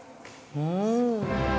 うん！